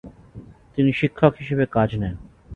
তিনি শিক্ষক হিসাবে কাজ নেন।